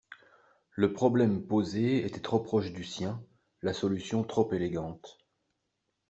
le problème posé était trop proche du sien, la solution trop élégante.